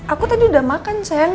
aku tadi udah makan cen